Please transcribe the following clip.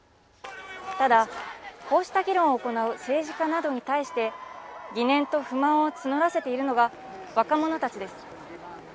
ただ、こうした議論を行う政治家などに対して疑念と不満を募らせているのが若者たちです。